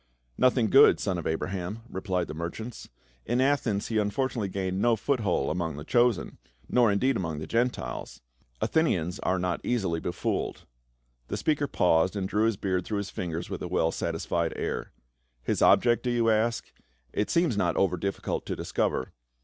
" Nothing good, son of Abraham," replied the mer chant. " In Athens he fortunately gained no foothold among the chosen — nor indeed among the Gentiles ; Athenians arc not easily befooled." The speaker paused and drew his beard through his fingers with a well satisfied air. " His object, do you ask ? It seems not over difficult to discover.